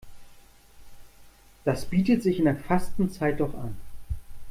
Das bietet sich in der Fastenzeit doch an.